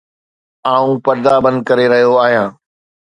آئون پردا بند ڪري رهيو آهيان